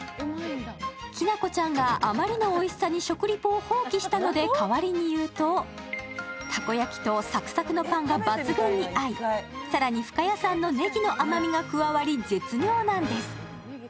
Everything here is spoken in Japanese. きなこちゃんが食リポを放棄したので代わりに言うと、たこ焼きとサクサクのパンが抜群に合い、更に深谷産のねぎの甘みが加わり絶妙なんです。